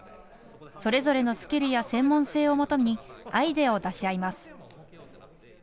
それぞれのスキルや専門性をもとにアイデアを出し合います。